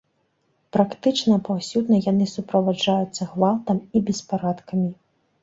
Практычна паўсюдна яны суправаджаюцца гвалтам і беспарадкамі.